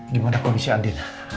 gimana kondisi andi